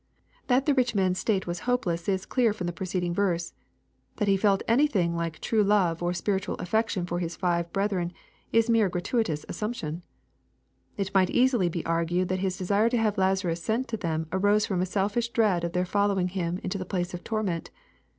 That the rich man's state was hopeless is clear from the preceding verse. That he felt any thing like true love, or spiritual affection for his five brethren is mere gratuitous assumption. It might easily be argued that his desire to have Lazarus sent to them arose from a selfish dread of their following him to the place of torment.